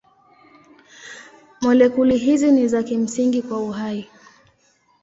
Molekuli hizi ni za kimsingi kwa uhai.